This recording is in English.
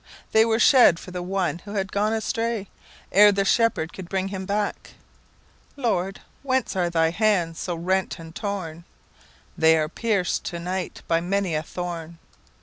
"They were shed for one who had gone astrayEre the Shepherd could bring him back.""Lord, whence are thy hands so rent and torn?""They are pierced to night by many a thorn."